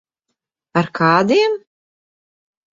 Ar kādiem?